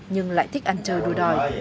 nhưng lại thích ăn chơi đôi đòi